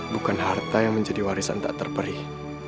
bukan harta yang menjadi warisan tak terperih